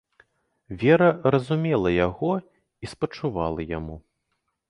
Вера разумела яго і спачувала яму.